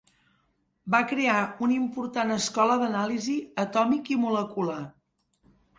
Va crear una important escola d'anàlisi atòmic i molecular.